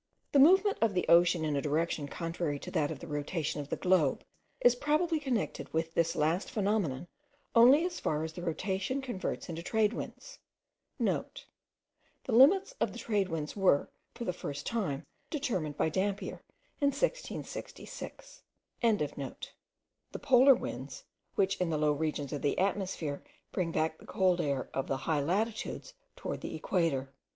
The movement of the ocean in a direction contrary to that of the rotation of the globe, is probably connected with this last phenomenon only as far as the rotation converts into trade winds* (* The limits of the trade winds were, for the first time, determined by Dampier in 1666.) the polar winds, which, in the low regions of the atmosphere bring back the cold air of the high latitudes toward the equator.